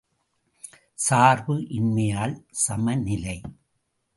சார்பு இன்மையால் சமநிலை!